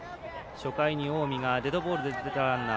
初回に近江がデッドボールで出たランナー。